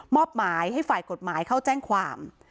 อบหมายให้ฝ่ายกฎหมายเข้าแจ้งความ